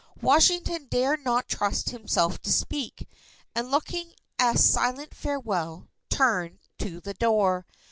Washington dared not trust himself to speak, and looking a silent farewell, turned to the door.